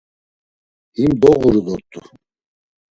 Him doğuru dort̆u.